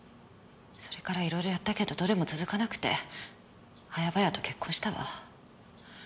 それからいろいろやったけどどれも続かなくて早々と結婚したわ。